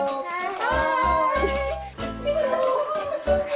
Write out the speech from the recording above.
はい！